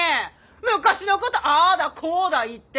昔のことあだこだ言って！